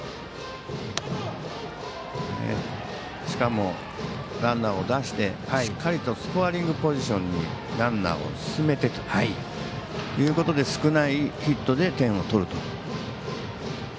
しかも、ランナーを出してしっかりとスコアリングポジションにランナーを進めてということで少ないヒットで点を取ると。